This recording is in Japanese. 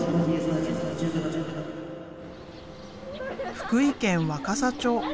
福井県若狭町。